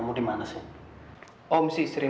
muka nya sekitar sini